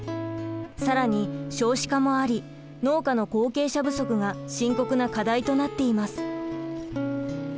更に少子化もあり農家の後継者不足が深刻な課題となっています。